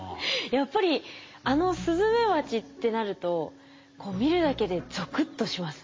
やっぱりあのスズメバチってなると見るだけでゾクッとしますね。